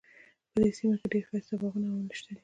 په دې سیمه کې ډیر ښایسته باغونه او ونې شته دي